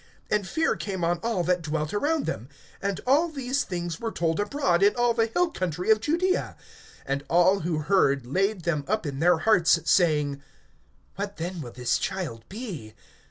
(65)And fear came on all that dwelt around them. And all these things[1:65] were told abroad in all the hill country of Judaea. (66)And all who heard laid them up in their hearts, saying: What then will this child be!